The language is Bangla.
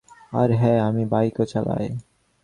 আর হ্যাঁ, আমি বাইকও চালাই।